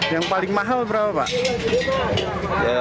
yang paling mahal berapa pak